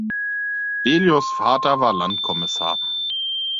Delius’ Vater war Landkommissar.